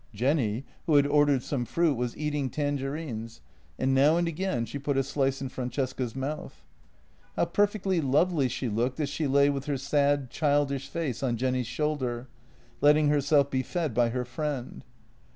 Jenny, who had ordered some fruit, was eating tanger ines, and now and again she put a slice in Francesca's mouth. How perfectly lovely she looked as she lay with her sad, childish face on Jenny's shoulder, letting herself be fed by her friend.